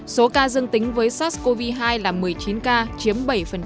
số ca dương tính với sars cov hai là một mươi chín ca chiếm bảy